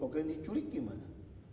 kalau kalian diculik gimana